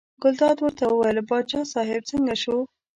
ګلداد ورته وویل باچا صاحب څنګه شو.